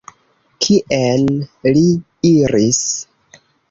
Kien li iris?